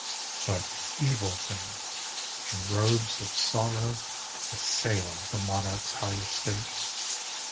But evil things, in robes of sorrow, Assailed the monarch's high estate.